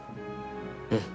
うん！